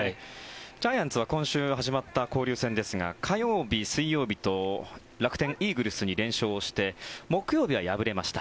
ジャイアンツは今週始まった交流戦ですが火曜日、水曜日と楽天イーグルスに連勝して木曜日は敗れました。